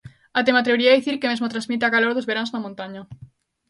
Até me atrevería a dicir que mesmo transmite a calor dos veráns na montaña.